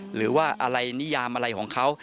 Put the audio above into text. หรือว่าอะไรนิยามอะไรของเขา